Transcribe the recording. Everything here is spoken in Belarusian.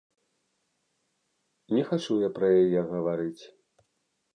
Не хачу я пра яе гаварыць.